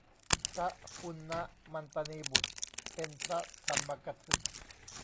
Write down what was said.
พระปุณณมันตานีบุตร เป็นพระธรรมกถึก